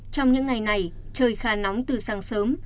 trong những ngày này trời khá nóng từ sáng sớm